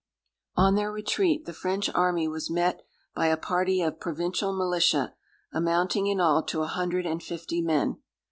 On their retreat, the French army was met by a party of provincial militia, amounting in all to a hundred and fifty men.